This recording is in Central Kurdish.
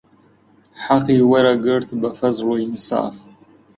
حەقی وەرئەگرت بە فەزڵ و ئینساف